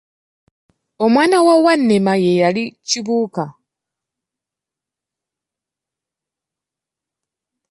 Omwana wa Wannema ye yali Kibuuka.